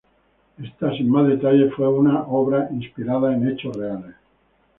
Esta, sin más detalles, fue una obra inspirada en hechos reales.